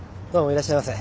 いらっしゃいませ。